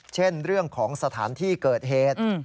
เช่นเรื่องของสถานที่เกิดเหตุ